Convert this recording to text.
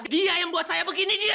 dia yang buat saya begini dia dia dia